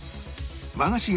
和菓子屋